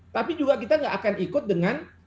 tapi juga kita nggak akan ikut dengan